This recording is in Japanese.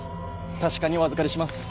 確かにお預かりします。